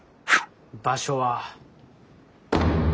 場所は。